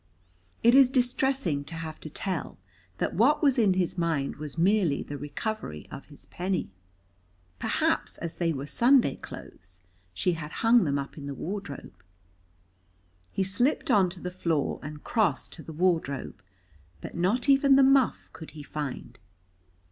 It is distressing to have to tell that what was in his mind was merely the recovery of his penny. Perhaps as they were Sunday clothes she had hung them up in the wardrobe? He slipped on to the floor and crossed to the wardrobe, but not even the muff could he find.